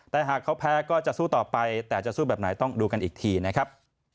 แต่หากเขาแพ้ก็จะสู้ต่อไปแต่จะสู้แบบไหนต้องดูกันอีกทีนะครับ